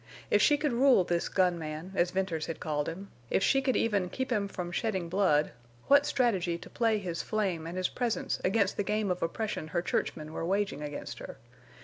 If she could rule this gun man, as Venters had called him, if she could even keep him from shedding blood, what strategy to play his flame and his presence against the game of oppression her churchmen were waging against her?